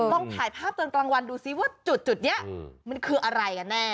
ลองถ่ายภาพตอนกลางวันดูซิว่าจุดนี้มันคืออะไรกันแน่